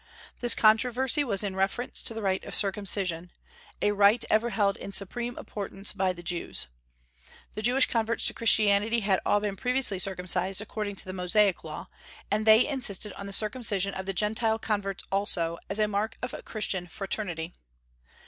This controversy was in reference to the rite of circumcision, a rite ever held in supreme importance by the Jews. The Jewish converts to Christianity had all been previously circumcised according to the Mosaic Law, and they insisted on the circumcision of the Gentile converts also, as a mark of Christian fraternity.